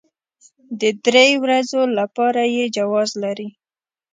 د درې ورځو لپاره يې جواز لري.